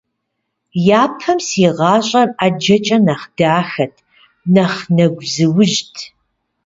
Япэм си гъащӀэр ІэджэкӀэ нэхъ дахэт, нэхъ нэгузыужьт